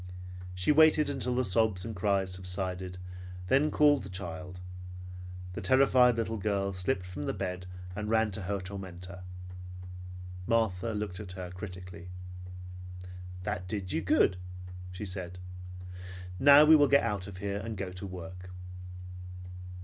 She waited until the sobs and cries subsided, and then called the child. The terrified little girl slipped from the bed and ran to her tormentor. Martha looked at her critically. "That did you good," she said. "Now we will get out of here, and go to work."